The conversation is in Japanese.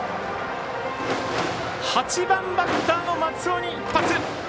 ８番バッターの松尾に一発。